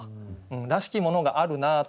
らしきものがあるなという。